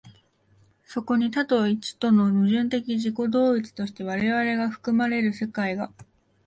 そこに多と一との矛盾的自己同一として我々が含まれている世界が、